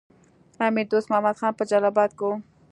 امیر دوست محمد خان په جلال اباد کې وو.